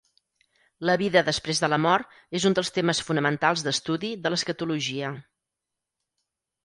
La vida després de la mort és un dels temes fonamentals d'estudi de l'escatologia.